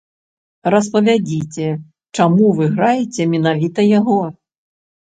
Распавядзіце, чаму вы граеце менавіта яго?